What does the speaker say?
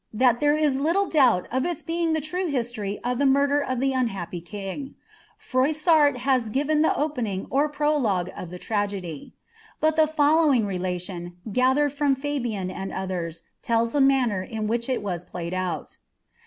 that there is liiile doubt of 'le true history of the murder of the unhappy Icing. Frois ■ i^iveii the opening or prologue of the Irt^edy ; but ilie follow ttion, gathered from Fabian and others, tells the manner in wliicli played out.